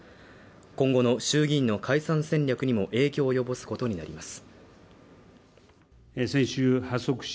今後の衆議院の解散戦略にも影響を及ぼすことになります